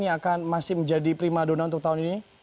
yang akan masih menjadi prima dona untuk tahun ini